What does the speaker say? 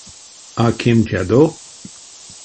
А кемтядо?